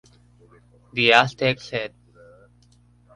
The Aztecs ed.